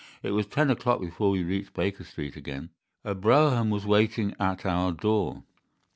It was ten o'clock before we reached Baker Street again. A brougham was waiting at our door.